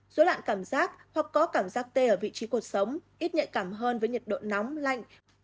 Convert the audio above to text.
dối loạn cảm giác hoặc có cảm giác tê ở vị trí cuộc sống ít nhạy cảm hơn với nhiệt độ nóng lạnh